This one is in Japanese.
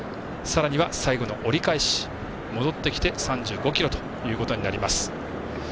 さらには最後の折り返し戻ってきて３５ｋｍということになります。